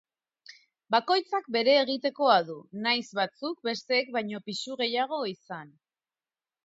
Bakoitzak bere egitekoa du, nahiz batzuk besteek baino pisu gehiago izan.